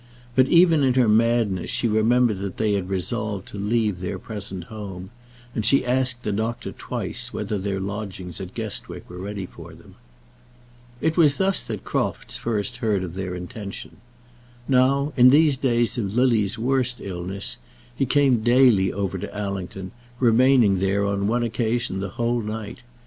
But even in her madness she remembered that they had resolved to leave their present home; and she asked the doctor twice whether their lodgings in Guestwick were ready for them. It was thus that Crofts first heard of their intention. Now, in these days of Lily's worst illness, he came daily over to Allington, remaining there, on one occasion, the whole night.